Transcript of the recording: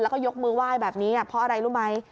แล้วก็ยกมือไหว้แบบนี้เพราะอะไรรู้ไหม